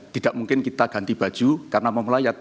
tidak mungkin kita ganti baju karena memelayat